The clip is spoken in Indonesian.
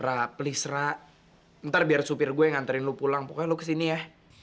ra please ra ntar biar supir gua yang nganterin lo pulang pokoknya lo kesini ya